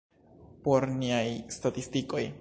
Por niaj statistikoj.